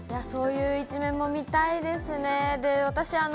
そういう一面も見たいですね。